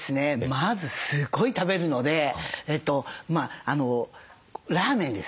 まずすごい食べるのでラーメンですね。